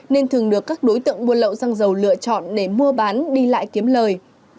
nên thường được các đối tượng buôn lậu xăng dầu lựa chọn để mua bán đi lại kiếm lời